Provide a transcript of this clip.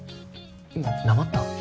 今なまった？